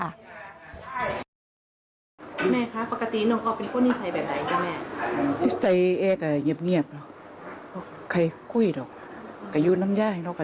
แล้วช่วงก่อนที่น้องออฟจะเกิดปัญหาจนน้องออฟเสียชีวิตนะคะแม่